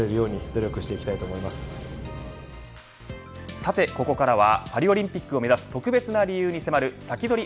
さてここからはパリオリンピックを目指す特別な理由に迫るサキドリ！